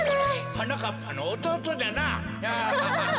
はなかっぱのおとうとじゃな。